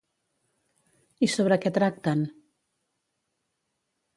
I sobre què tracten?